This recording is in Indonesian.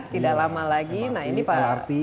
tidak lama lagi mrt lrt